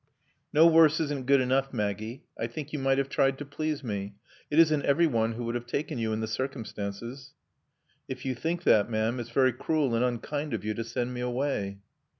"No worse isn't good enough, Maggie. I think you might have tried to please me. It isn't every one who would have taken you in the circumstances." "If you think that, ma'am, it's very cruel and unkind of you to send me away."